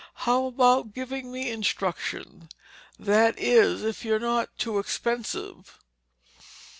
How about giving me instruction—that is, if you're not too expensive?"